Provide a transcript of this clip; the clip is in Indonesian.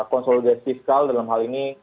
konsolidasi fiskal dalam hal ini